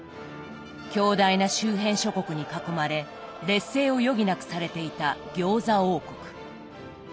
強大な周辺諸国に囲まれ劣勢を余儀なくされていた餃子王国。